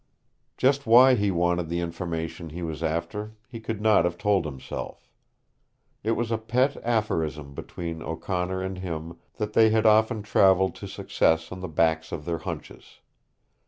Just why he wanted the information he was after, he could not have told himself. It was a pet aphorism between O'Connor and him that they had often traveled to success on the backs of their hunches.